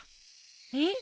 えっ？